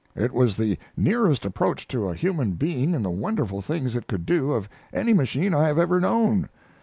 It was the nearest approach to a human being in the wonderful things it could do of any machine I have ever known.